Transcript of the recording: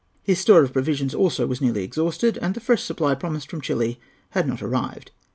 His store of provisions, also, was nearly exhausted, and the fresh supply promised from Chili had not arrived.